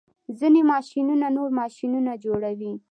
ځینې ماشینونه نور ماشینونه جوړوي.